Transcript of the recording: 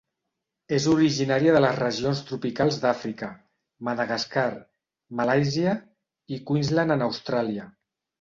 És originària de les regions tropicals d'Àfrica, Madagascar, Malàisia i Queensland en Austràlia.